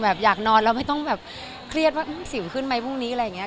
อยากนอนแล้วไม่ต้องแบบเครียดว่าสิวขึ้นไหมพรุ่งนี้อะไรอย่างนี้